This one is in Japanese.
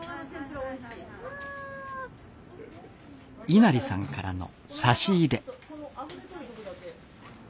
稲荷さんからの差し入れ。